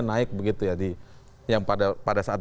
naik begitu ya yang pada saat